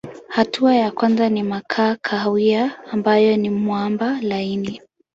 Hatua ya kwanza ni makaa kahawia ambayo ni mwamba laini.